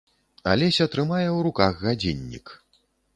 Алеся трымае ў руках гадзіннік.